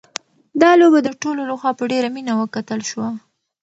دا لوبه د ټولو لخوا په ډېره مینه وکتل شوه.